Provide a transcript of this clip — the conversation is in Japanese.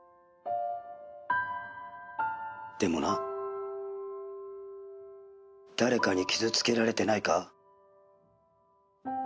「でもな誰かに傷つけられてないか？」